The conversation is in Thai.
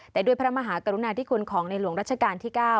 แต่ด้วยพระมหากรุณาธิคุณของในหลวงรัชกาลที่๙